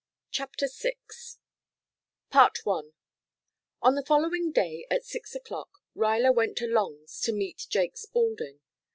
CHAPTER VI I On the following day at six o'clock Ruyler went to Long's to meet Jake Spaulding.